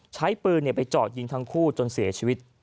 ใช้ปืนไปเจาะยิงทั้งคู่จนเสียชีวิต